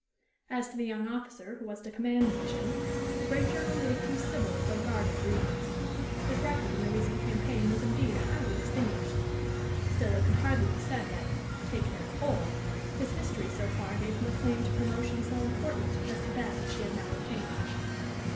As to the young officer who was to command the mission, the great journal made a few civil though guarded remarks. His record in the recent campaign was indeed highly distinguished; still it could hardly be said that, take it as a whole, his history so far gave him a claim to promotion so important as that which he had now obtained.